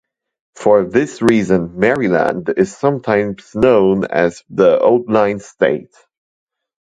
For this reason, Maryland is sometimes known as The Old Line State.